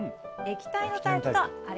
液体のタイプ。